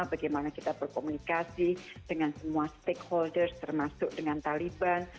bagaimana kita berkomunikasi dengan semua stakeholders termasuk dengan taliban